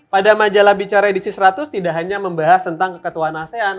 pada majalah bicara edisi seratus tidak hanya membahas tentang keketuaan asean